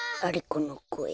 このこえ。